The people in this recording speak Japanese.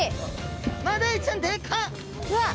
マダイちゃんでかっ！